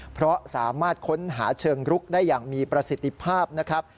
เพราะสามารถค้นหาเชิงรุกได้อย่างมีประสิทธิภาพนะครับ